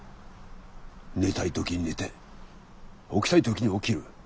寝たい時に寝て起きたい時に起きる。